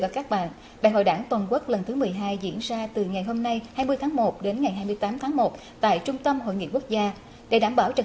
các bạn hãy đăng ký kênh để ủng hộ kênh của chúng mình nhé